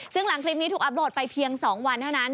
ซึ่งหลังคลิปนี้ถูกอัปโดดไปเพียง๒วันเท่านั้น